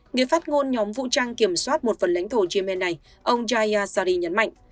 người phát ngôn nhóm vũ trang kiểm soát một phần lãnh thổ yemen này ông jaya sari nhấn mạnh